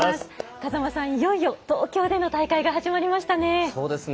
風間さん、いよいよ東京での大会が始まりましたね。